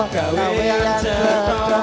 kau yang cerita